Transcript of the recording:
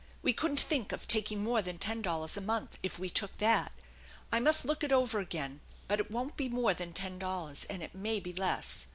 We couldn't think of taking more than ten dollars a month, if we took that. I must look it over again; but it won't be more than ten dollars, and it may be less."